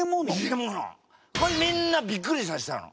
これみんなびっくりさせたの。